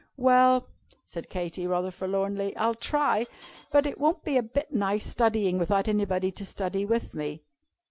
"Well," said Katy, rather forlornly, "I'll try. But it won't be a bit nice studying without anybody to study with me.